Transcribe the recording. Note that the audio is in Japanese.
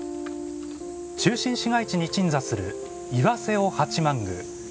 中心市街地に鎮座する石清尾八幡宮。